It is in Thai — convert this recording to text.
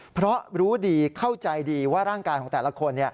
เพราะรู้ดีเข้าใจดีว่าร่างกายของแต่ละคน